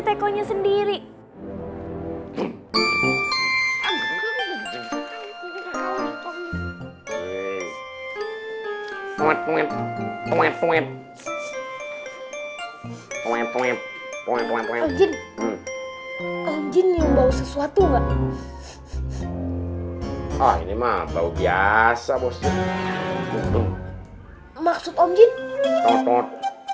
pokoknya sendiri mungkin yang bau sesuatu enggak ini mau bau biasa maksud omjin